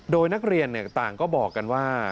โดยนักเรียนต่างก็บอกกันว่า